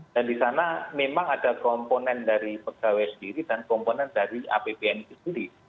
dan di sana memang ada komponen dari pegawai sendiri dan komponen dari apbn itu sendiri